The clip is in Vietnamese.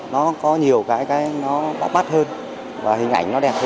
nó có nhiều cái nó bắt mắt hơn và hình ảnh nó đẹp hơn